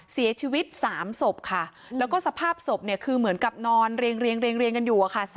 เสียชีวิต๓ศพค่ะแล้วก็สภาพศพเนี่ยคือเหมือนกับนอนเรียงกันอยู่อะค่ะ